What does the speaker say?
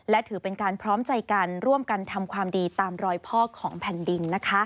และถือเป็นการพร้อมใจกันร่วมกันทำความดีตามรอยพ่อของแผ่นดิน